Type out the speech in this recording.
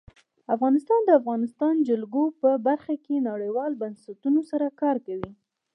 افغانستان د د افغانستان جلکو په برخه کې نړیوالو بنسټونو سره کار کوي.